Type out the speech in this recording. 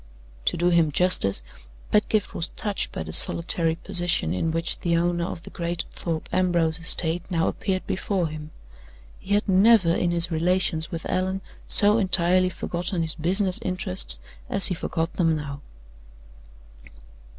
To do him justice, Pedgift was touched by the solitary position in which the owner of the great Thorpe Ambrose estate now appeared before him. He had never, in his relations with Allan, so entirely forgotten his business interests as he forgot them now.